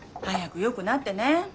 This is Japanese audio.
早くよくなってね。